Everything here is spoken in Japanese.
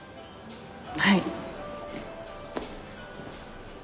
はい。